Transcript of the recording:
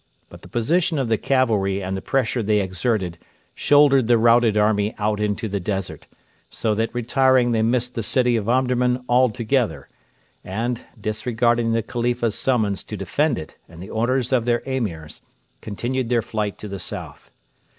But the position of the cavalry and the pressure they exerted shouldered the routed army out into the desert, so that retiring they missed the city of Omdurman altogether, and, disregarding the Khalifa's summons to defend it and the orders of their Emirs; continued their flight to the south.